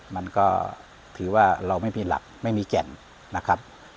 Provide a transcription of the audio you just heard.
มันก็ถือว่าเราไม่มีหลักไม่มีแก่นนะครับ